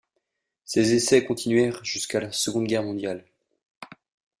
Ces essais continuèrent jusqu'à la Seconde Guerre mondiale.